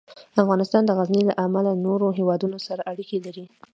افغانستان د غزني له امله له نورو هېوادونو سره اړیکې لري.